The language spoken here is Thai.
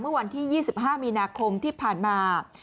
เมื่อวันที่๒๕มีนาคมที่ผ่านมา